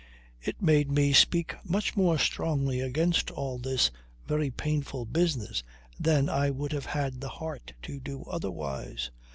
"It made me speak much more strongly against all this very painful business than I would have had the heart to do otherwise."